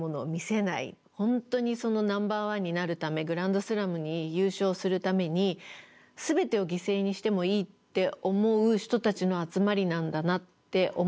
本当にナンバーワンになるためグランドスラムに優勝するために全てを犠牲にしてもいいって思う人たちの集まりなんだなって思う世界でしたね。